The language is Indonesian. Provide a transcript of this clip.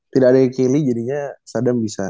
tidak ada kelly jadinya sadam bisa